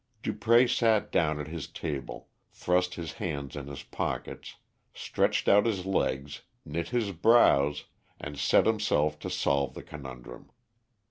Dupré sat down at his table, thrust his hands in his pockets, stretched out his legs, knit his brows, and set himself to solve the conundrum.